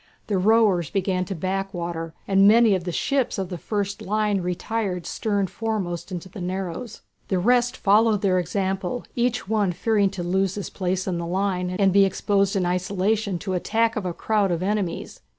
The rowers began to backwater, and many of the ships of the first line retired stern foremost into the narrows. The rest followed their example, each one fearing to lose his place in the line, and be exposed in isolation to the attack of a crowd of enemies.